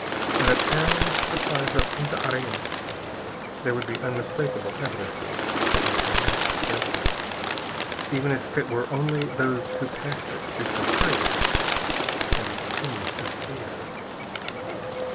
In a town the size of Punta Arenas there would be unmistakable evidences about The Master's residence, even if it were only that those who passed it did so hurriedly and with a twinge of fear.